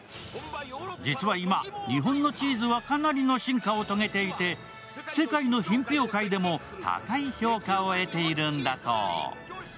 実は今、日本のチーズはかなりの進化を遂げていて世界の品評会でも高い評価を得ているんだそう。